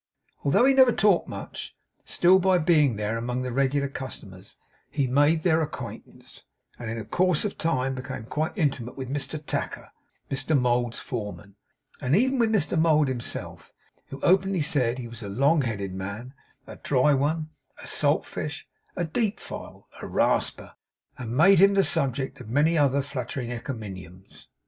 Although he never talked much, still, by being there among the regular customers, he made their acquaintance, and in course of time became quite intimate with Mr Tacker, Mr Mould's foreman; and even with Mr Mould himself, who openly said he was a long headed man, a dry one, a salt fish, a deep file, a rasper; and made him the subject of many other flattering encomiums.